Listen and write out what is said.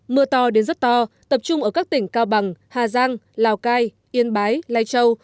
mưa to đến rất to tập trung ở các tỉnh cao bằng hà giang lào cai yên bái lai châu